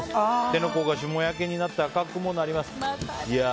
手の甲が、しもやけになって赤くもなります。